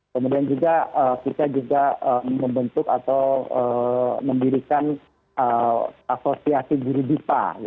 kemudian juga kita juga membentuk atau mendirikan asosiasi guru bipa